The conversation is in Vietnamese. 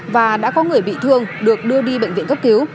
và đã có người bị thương được đưa đi bệnh viện cấp cứu